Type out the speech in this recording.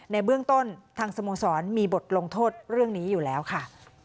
ในเบื้องต้นทางสโมสรมีบทลงโทษเรื่องนี้อยู่แล้วค่ะ